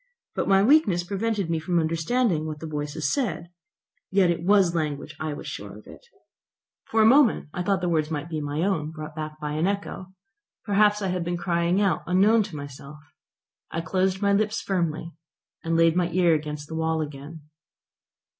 But my weakness prevented me from understanding what the voices said. Yet it was language, I was sure of it. For a moment I feared the words might be my own, brought back by the echo. Perhaps I had been crying out unknown to myself. I closed my lips firmly, and laid my ear against the wall again.